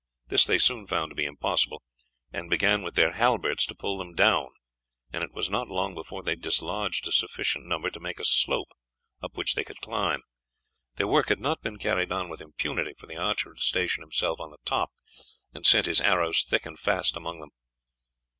This they soon found to be impossible, and began with their halberts to pull them down, and it was not long before they had dislodged sufficient to make a slope up which they could climb. Their work had not been carried on with impunity, for the archer had stationed himself on the top and sent his arrows thick and fast among them.